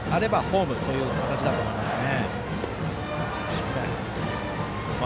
とれないのであればホームという形だと思います。